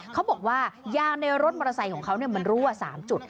เขาบอกว่ายางในรถมอเตอร์ไซค์ของเขามันรั่ว๓จุด